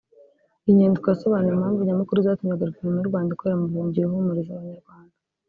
iyi nyandiko yasobanuye impamvu nyamukuru zatumye Guverinoma y’u Rwanda ikorera mu buhungiro ihumuriza abanyarwanda